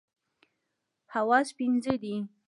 حواس پنځه دي.